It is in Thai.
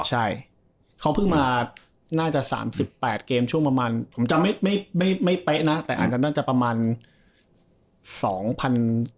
ใช่เขาเพิ่งมาน่าจะ๓๘เกมช่วงประมาณผมจำไม่ไม่เป๊ะนะแต่อาจจะประมาณสองพัน